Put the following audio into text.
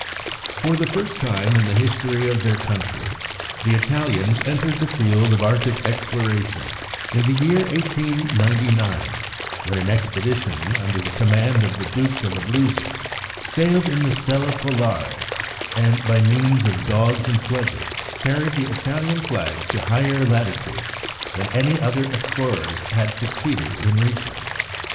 For the first time in the history of their country, the Italians entered the field of Arctic exploration in the year 1899, when an expedition under the command of the Duke of Abruzzi sailed in the Stella Polare, and by means of dogs and sledges carried the Italian flag to higher latitudes than any other explorers had succeeded in reaching.